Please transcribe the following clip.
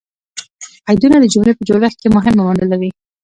قیدونه د جملې په جوړښت کښي مهمه ونډه لري.